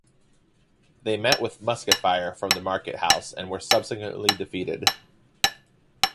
They met with musket fire from the market house and were subsequently defeated.